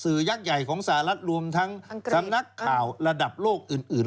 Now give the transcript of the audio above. ยักษ์ใหญ่ของสหรัฐรวมทั้งสำนักข่าวระดับโลกอื่น